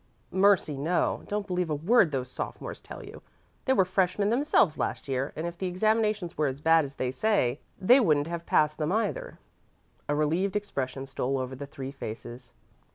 "Mercy, no! Don't believe a word those sophomores tell you. They were freshmen themselves last year, and if the examinations were as bad as they say, they wouldn't have passed them, either." A relieved expression stole over the three faces.